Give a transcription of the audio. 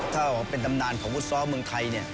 ถ้าเป็นตำนานของฟุตซอลเมืองไทย